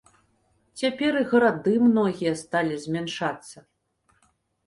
Цяпер і гарады многія сталі змяншацца.